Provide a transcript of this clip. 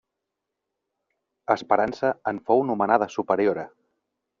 Esperança en fou nomenada superiora.